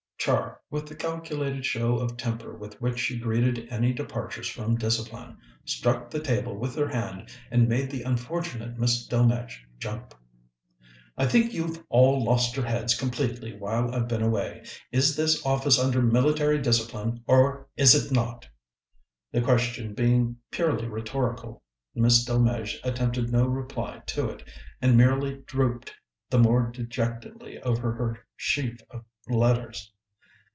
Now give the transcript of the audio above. Char, with the calculated show of temper with which she greeted any departures from discipline, struck the table with her hand, and made the unfortunate Miss Delmege jump. "I think you've all lost your heads completely while I've been away. Is this office under military discipline or is it not?" The question being purely rhetorical, Miss Delmege attempted no reply to it, and merely drooped the more dejectedly over her sheaf of letters.